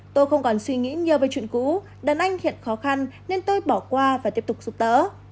tôi không còn suy nghĩ nhiều về chuyện cũ đàn anh hiện khó khăn nên tôi bỏ qua và tiếp tục giúp đỡ